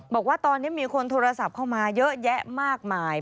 บอกว่าตอนนี้มีคนโทรศัพท์เข้ามาเยอะแยะมากมาย